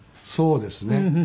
そうですね。